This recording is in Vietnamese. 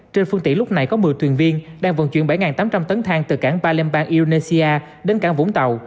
trên phương tỉ lúc này có một mươi tuyển viên đang vận chuyển bảy tám trăm linh tấn thang từ cảng palembang indonesia đến cảng vũng tàu